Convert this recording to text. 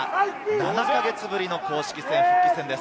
７か月ぶりの公式戦、復帰戦です。